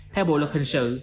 theo bộ luật hình sự